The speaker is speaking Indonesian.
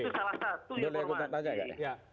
itu salah satu informasi